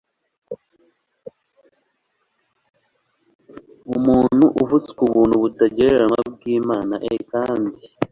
umuntu uvutswa ubuntu butagereranywa bw Imana e kandi